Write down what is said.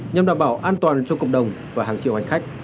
nhằm đảm bảo an toàn cho cộng đồng và hàng triệu hành khách